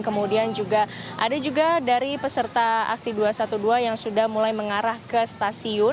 kemudian juga ada juga dari peserta aksi dua ratus dua belas yang sudah mulai mengarah ke stasiun